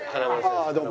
ああどうも。